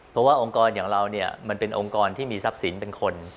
เพราะว่าองค์กรอย่างเรามันเป็นองค์กรที่มีทรัพย์สินเป็นคน